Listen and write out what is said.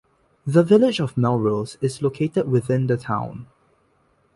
The Village of Melrose is located within the town.